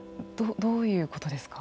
どういうことですか。